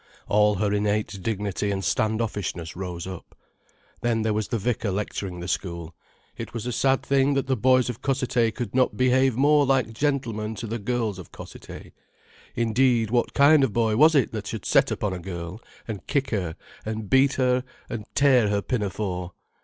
All her innate dignity and standoffishness rose up. Then there was the vicar lecturing the school. "It was a sad thing that the boys of Cossethay could not behave more like gentlemen to the girls of Cossethay. Indeed, what kind of boy was it that should set upon a girl, and kick her, and beat her, and tear her pinafore?